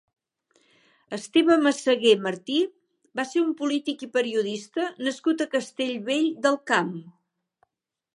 Esteve Massagué Martí va ser un polític i periodista nascut a Castellvell del Camp.